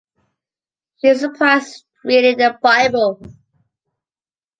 She is surprised reading the Bible.